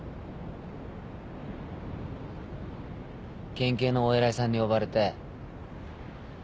県警のお偉いさんに呼ばれて